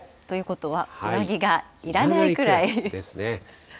ということは上着がいらないくらい？ですね。